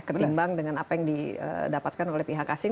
ketimbang dengan apa yang didapatkan oleh pihak asing